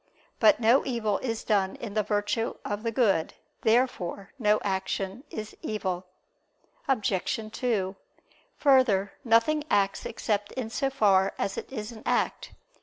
But no evil is done in virtue of the good. Therefore no action is evil. Obj. 2: Further, nothing acts except in so far as it is in act.